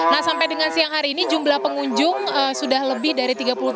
nah sampai dengan siang hari ini jumlah pengunjung sudah lebih dari tiga puluh tujuh